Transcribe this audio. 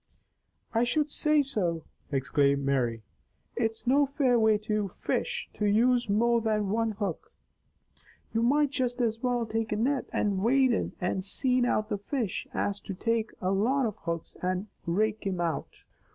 "I should say so!" exclaimed Mary. "It's no fair way to fish, to use more than one hook. You might just as well take a net and wade in and seine out the fish as to take a lot of hooks and rake thim out."